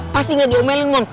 pasti gak diomelin mon